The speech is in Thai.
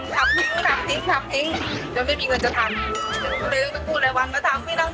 ทำติ้งทำติ้งทำติ้ง